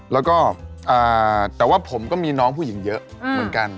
แล้วก็แต่ว่าผมก็มีน้องผู้หญิงเยอะเหมือนกัน